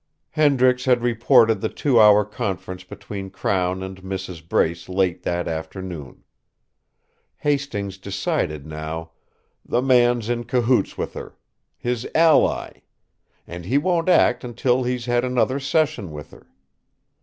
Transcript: Hendricks had reported the two hour conference between Crown and Mrs. Brace late that afternoon. Hastings decided now: "The man's in cahoots with her. His ally! And he won't act until he's had another session with her.